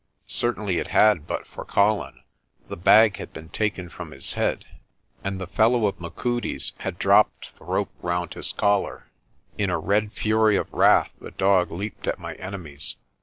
Certainly it had but for Colin. The bag had been taken from his head, and the fellow of Machudi's had dropped the rope round his collar. In a red fury of wrath the dog leaped at my enemies.